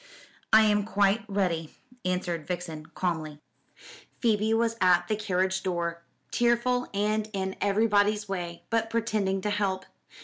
"I am quite ready," answered Vixen calmly. Phoebe was at the carriage door, tearful, and in everybody's way, but pretending to help.